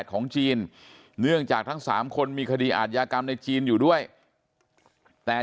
ของจีนเนื่องจากทั้งสามคนมีคดีอาทยากรรมในจีนอยู่ด้วยแต่